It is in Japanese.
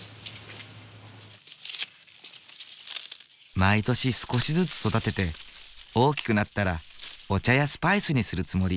毎年少しずつ育てて大きくなったらお茶やスパイスにするつもり。